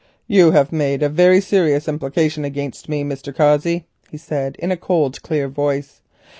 "You have made a very serious implication against me, Mr. Cossey," he said in a cold clear voice.